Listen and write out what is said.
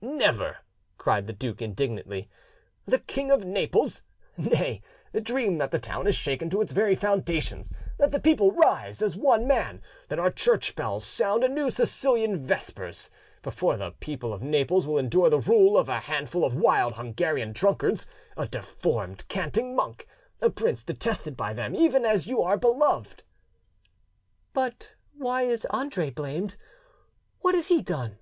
"Never!" cried the duke indignantly; "he King of Naples! Nay, dream that the town is shaken to its very foundations, that the people rise as one man, that our church bells sound a new Sicilian vespers, before the people of Naples will endure the rule of a handful of wild Hungarian drunkards, a deformed canting monk, a prince detested by them even as you are beloved!" "But why is Andre blamed? What has he done?"